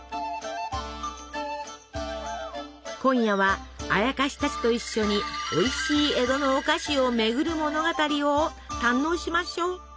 今夜はあやかしたちと一緒においしい江戸のお菓子を巡る物語を堪能しましょう。